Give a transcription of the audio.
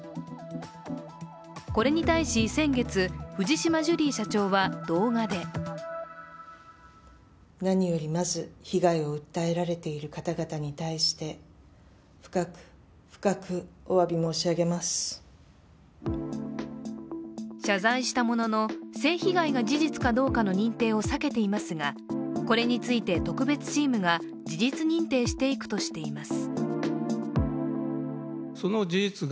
これに対し、先月、藤島ジュリー社長は動画で謝罪したものの、性被害が事実かどうかの認定を避けていますがこれについて特別チームが事実認定していくとしています。